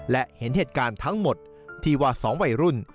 และเห็นเหตุการณ์ทั้งหมดที่ว่า๒วัยรุ่น